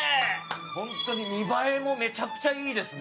本当に見栄えもめちゃくちゃいいですね。